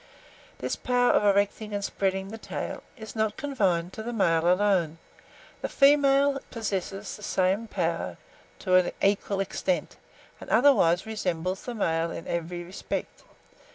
This power of erecting and spreading the tail is not confined to the male bird alone: the female possesses the same power to an equal extent, and otherwise resembles the male in every respect.